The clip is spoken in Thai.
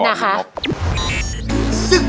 ร้องได้ให้ร้าง